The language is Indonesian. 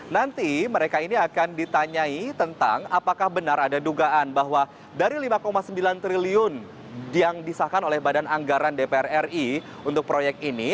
nanti mereka ini akan ditanyai tentang apakah benar ada dugaan bahwa dari lima sembilan triliun yang disahkan oleh badan anggaran dpr ri untuk proyek ini